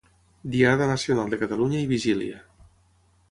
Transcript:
Diada Nacional de Catalunya i vigília.